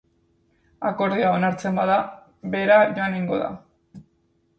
Akordioa onartzen bada, bera joan egingo da.